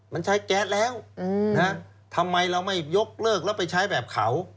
มันใช้แก๊สแล้วทำไมเราไม่ยกเลิกแล้วไปใช้แบบเขา